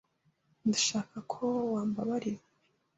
Ndashaka ko wambara ibi.